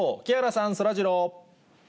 木原さん、そらジロー。